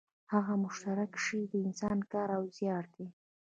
هغه مشترک شی د انسان کار او زیار دی